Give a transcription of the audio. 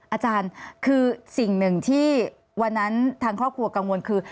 อาจารย์คือสิ่งหนึ่งที่วันนั้นทางครอบครัวกังวลคือ